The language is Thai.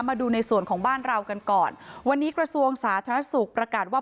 มาดูในส่วนของบ้านเรากันก่อนวันนี้กระทรวงสาธารณสุขประกาศว่า